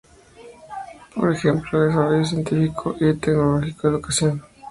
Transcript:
Por ejemplo: desarrollo científico y tecnológico, educación, sanidad, y administración pública.